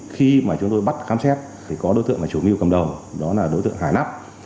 khi mà chúng tôi bắt khám xét thì có đối tượng là chủ mưu cầm đầu đó là đối tượng hải nắp